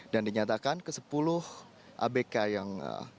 dan dinyatakan ke sepuluh abk yang